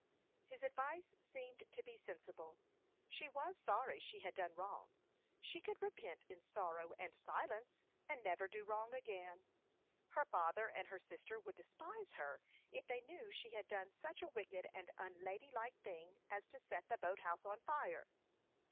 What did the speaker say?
His advice seemed to be sensible. She was sorry she had done wrong; she could repent in sorrow and silence, and never do wrong again. Her father and her sister would despise her if they knew she had done such a wicked and unladylike thing as to set the boat house on fire.